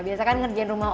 biasa kan ngerjain rumah ini